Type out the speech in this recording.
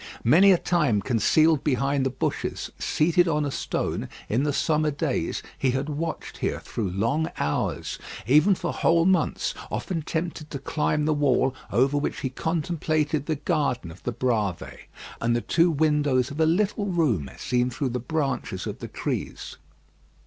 Many a time concealed behind the bushes, seated on a stone, in the summer days, he had watched here through long hours, even for whole months, often tempted to climb the wall, over which he contemplated the garden of the Bravées and the two windows of a little room seen through the branches of the trees.